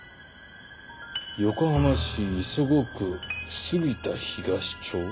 「横浜市磯子区杉田東町」？